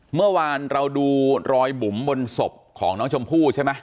เมื่อวานเราดูรอยบุ๋มบนศพของน้องชมพู่ใช่ไหม